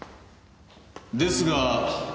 ですが